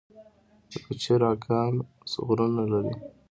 د پچیر اګام غرونه لري